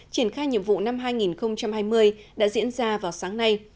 triển khai nhiệm vụ năm hai nghìn hai mươi đã diễn ra vào sáng nay